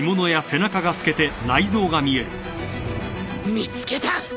見つけた！